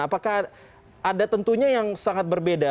apakah ada tentunya yang sangat berbeda